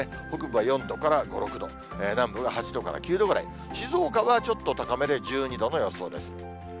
北部は４度から５、６度、南部が８度から９度ぐらい、静岡はちょっと高めで１２度の予想です。